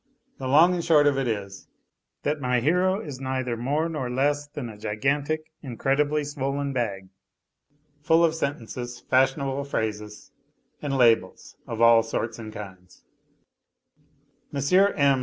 The long and short of it is, that my hero i neither more nor less than a gigantic, incredibly swollen bag, fu] of sentences, fashionable phrases, and labels of all sorts and kinds M. M.